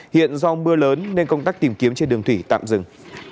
hiện do mưa lớn nên công tác tìm kiếm trên đường thủy tạm dừng